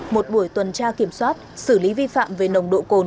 một buổi tuần tra kiểm soát xử lý vi phạm về nồng độ cồn